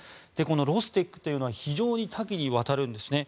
ロステックというのは非常に多岐にわたるんですね。